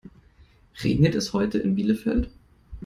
Regnet es heute in Bielefeld?